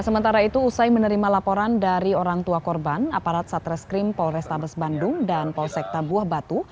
sementara itu usai menerima laporan dari orang tua korban aparat satreskrim polrestabes bandung dan polsek tabuah batu